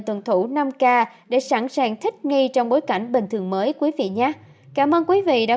tuần thủ năm k để sẵn sàng thích nghi trong bối cảnh bình thường mới quý vị nhé cảm ơn quý vị đã